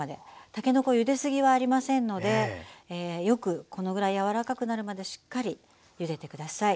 たけのこゆで過ぎはありませんのでよくこのぐらい柔らかくなるまでしっかりゆでてください。